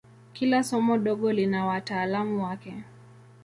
Kila somo dogo lina wataalamu wake.